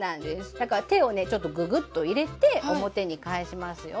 だから手をねちょっとググッと入れて表に返しますよ。